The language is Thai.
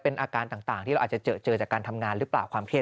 เป็นอาการต่างที่เราอาจจะเจอจากการทำงานหรือเปล่าความเครียด